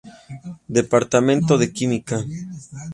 Departamento de Química.